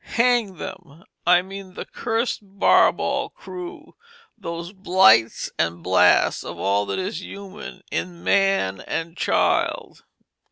Hang them! I mean the cursed Barbauld crew, those blights and blasts of all that is human in man and child."